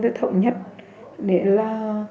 và thậm nhất để là